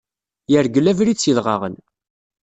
Yergel abrid s yidɣaɣen.